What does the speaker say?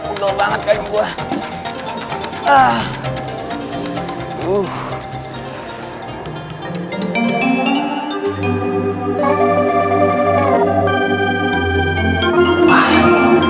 ugel banget kayak gue